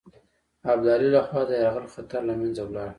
ابدالي له خوا د یرغل خطر له منځه ولاړ.